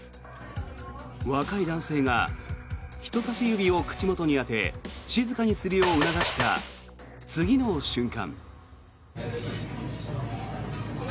若い男性が人さし指を口元に当て静かにするよう促した次の瞬間。